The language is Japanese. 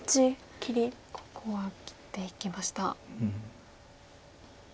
ここは切っていきました。